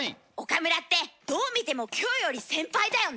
岡村ってどう見てもキョエより先輩だよね？